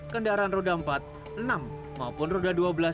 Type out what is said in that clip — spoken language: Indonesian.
kendaraan roda empat enam maupun roda dua belas